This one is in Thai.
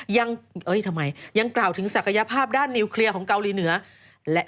เอ้ยทำไมยังกล่าวถึงศักยภาพด้านนิวเคลียร์ของเกาหลีเหนือ